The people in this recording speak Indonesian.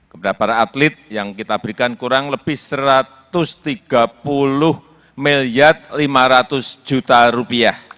kepada para atlet yang kita berikan kurang lebih rp satu ratus tiga puluh lima ratus